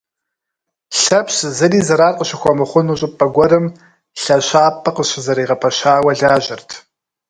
Лъэпщ зыри зэран къыщыхуэмыхъуну щӏыпӏэ гуэрым лъэщапӏэ къыщызэригъэпэщауэ лажьэрт.